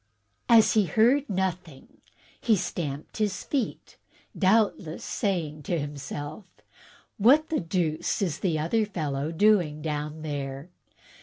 As he heard nothing he stamped his feet, doubtless saying to himself, * What the deuce is the other fellow doing down there?'